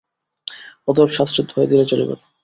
অতএব শাস্ত্রের দোহাই দিলে চলিবে না।